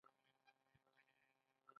سینټ لارنس لاره مهمه ده.